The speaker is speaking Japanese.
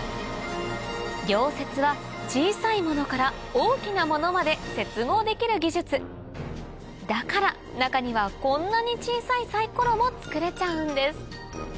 溶接は小さいものから大きなものまで接合できる技術だから中にはこんなに小さいサイコロも作れちゃうんです